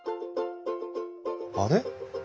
あれ？